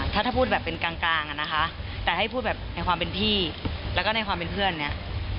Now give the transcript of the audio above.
ถ้าถ้าพูดแบบเป็นกลางอ่ะนะคะแต่ให้พูดแบบในความเป็นพี่แล้วก็ในความเป็นเพื่อนเนี่ย